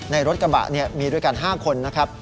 ในรถกระบะมีด้วยกัน๕คนนะครับ